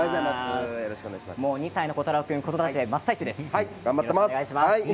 ２歳ののこたろう君の子育て真っ最中です。